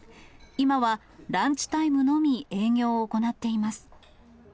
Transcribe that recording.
今はランチタイムのみ営業を行っています。